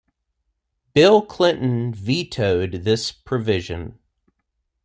Bill Clinton vetoed this provision.